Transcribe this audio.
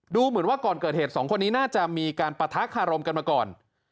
ดูเหมือนว่าก่อนเกิดเหตุสองคนนี้น่าจะมีการปะทะคารมกันมาก่อน